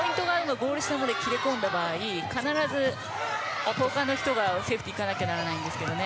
ゴール下まで切り込んだ場合必ず他の人がセーフティー行かなきゃいけないんですけどね。